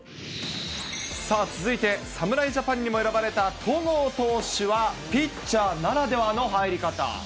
さあ、続いて侍ジャパンにも選ばれた戸郷投手は、ピッチャーならではの入り方。